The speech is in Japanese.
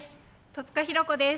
戸塚寛子です。